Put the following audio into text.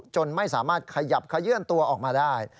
จนไม่สามารถขยับขยื่นตัวออกมาได้